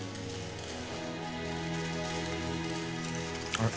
あれ？